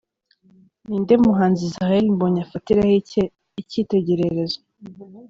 Ni nde muhanzi Israel Mbonyi afatiraho icyitegererezo?.